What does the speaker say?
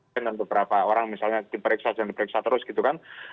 bergantung beberapa orang misalnya diperiksa jangan diperiksa terus gitu kan